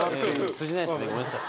通じないですねごめんなさい。